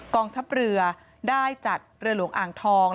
กองทัพเรือได้จัดเรือหลวงอ่างทอง